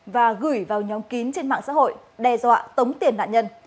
và gửi vào nhóm kín trên mạng xã hội đe dọa tống tiền nạn nhân